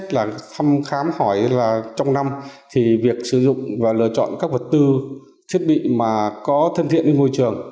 chúng tôi cũng khám hỏi là trong năm thì việc sử dụng và lựa chọn các vật tư thiết bị mà có thân thiện với môi trường